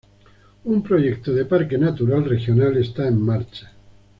Un proyecto de parque natural regional está en marcha.